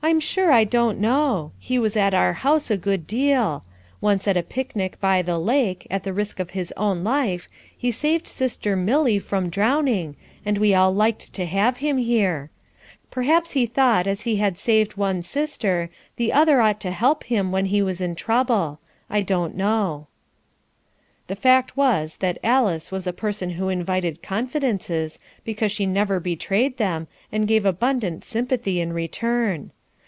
"I'm sure I don't know. He was at our house a good deal. Once at a picnic by the lake, at the risk of his own life, he saved sister Millie from drowning, and we all liked to have him here. Perhaps he thought as he had saved one sister, the other ought to help him when he was in trouble. I don't know." The fact was that Alice was a person who invited confidences, because she never betrayed them, and gave abundant sympathy in return.